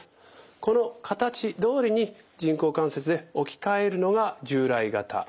この形どおりに人工関節で置き換えるのが従来型。